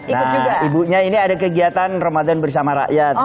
nah juga ibunya ini ada kegiatan ramadan bersama rakyat